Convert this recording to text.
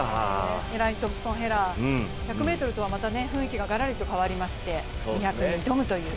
エライン・トンプソン・ヘラ１００ｍとはまた雰囲気ががらりと変わりまして２００ｍに挑むという。